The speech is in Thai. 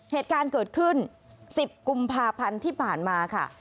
เหตุการณ์เกิดขึ้น๑๐กุมภาพันธ์ที่ผ่านมาค่ะ